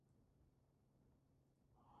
Ayuda a desarrollar los reflejos y la velocidad.